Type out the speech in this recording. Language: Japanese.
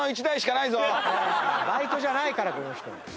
バイトじゃないからこの人。